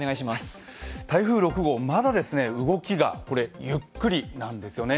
台風６号、まだ動きがゆっくりなんですよね。